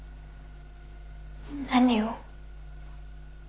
何を？